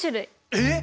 えっ！